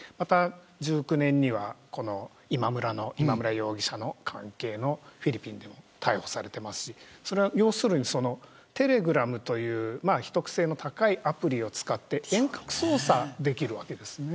２０１９年にはこの今村容疑者の関係のフィリピンでも逮捕されていますしテレグラムという秘匿性の高いアプリを使って遠隔操作ができるわけです。